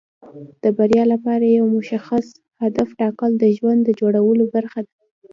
د بریا لپاره یو مشخص هدف ټاکل د ژوند د جوړولو برخه ده.